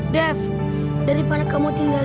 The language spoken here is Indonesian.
dev daripada kamu tinggal